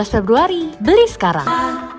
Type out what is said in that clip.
dua belas februari beli sekarang